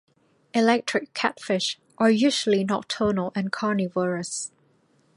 Electric catfish are usually nocturnal and carnivorous.